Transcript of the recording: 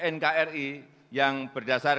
dan keuntungan yang mempunyai